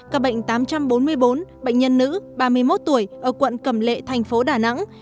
ca bệnh tám trăm bốn mươi bốn bệnh nhân nữ ba mươi một tuổi ở quận cầm lệ thành phố đà nẵng